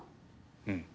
うん。